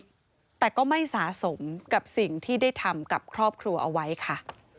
แต่ก็ไม่สะสมกับสิ่งที่ได้ทำกับครอบครัวเอาไว้ค่ะ